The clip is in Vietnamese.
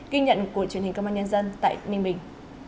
ghi nhận của truyền hình công an nhân dân tại ninh bình